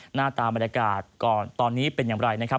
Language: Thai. หน้าตาบรรยากาศก่อนตอนนี้เป็นอย่างไรนะครับ